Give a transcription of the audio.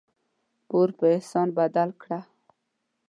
پور په احسان بدل کړه.